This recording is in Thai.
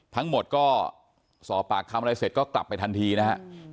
ทั้งหมดก็สอบปากคำอะไรเสร็จก็กลับไปทันทีนะฮะ